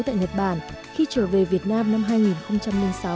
tại nhật bản khi trở về việt nam năm hai nghìn sáu